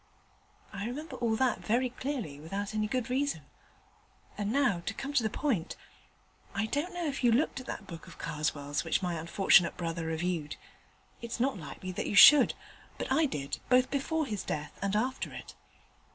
I remember all that very clearly, without any good reason; and now to come to the point. I don't know if you looked at that book of Karswell's which my unfortunate brother reviewed. It's not likely that you should: but I did, both before his death and after it.